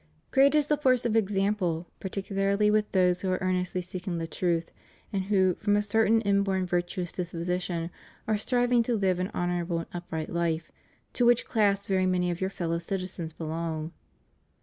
Great is the force of example; particularly wdth those who are earnestly seeking the truth, and who, from a certain inborn virtuous disposition, are striving to live an honorable and upright life, to which class very many of your fellow citizens belong.